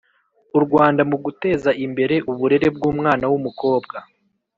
U rwanda mu guteza imbere uburere bw’umwana w’umukobwa